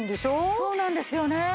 そうなんですよね。